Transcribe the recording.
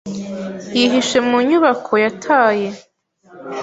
Yihishe mu nyubako yataye.